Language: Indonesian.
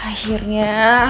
kami akan menggunakan